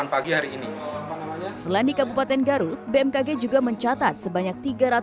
delapan pagi hari ini selain di kabupaten garut bmkg juga mencatat sebanyak